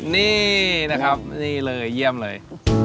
นี่นะครับนี่เลยเยี่ยมเลย